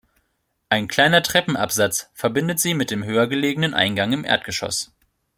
Ein kleiner Treppenabsatz verbindet sie mit dem höher gelegenen Eingang im Erdgeschoss.